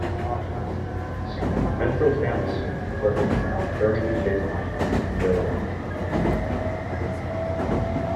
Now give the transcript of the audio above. Metro Cammell was at the time a Birmingham-based train builder.